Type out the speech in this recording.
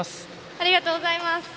ありがとうございます！